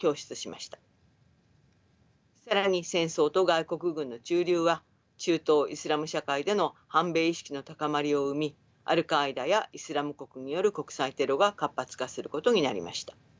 更に戦争と外国軍の駐留は中東イスラム社会での反米意識の高まりを生みアルカーイダやイスラム国による国際テロが活発化することになりました。